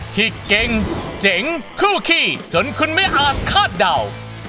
ที่เก่งเจ๋งคู่ขี้จนคุณไม่อาจคาดเดา